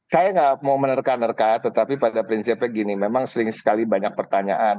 saya nggak mau menerka nerka tetapi pada prinsipnya gini memang sering sekali banyak pertanyaan